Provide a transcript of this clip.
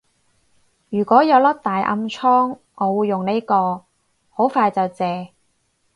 如果有粒大暗瘡我會用呢個，好快就謝